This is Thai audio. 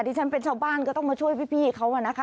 ที่ฉันเป็นชาวบ้านก็ต้องมาช่วยพี่เขาอะนะคะ